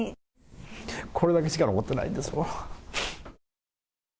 これだけしか残ってないんですわ。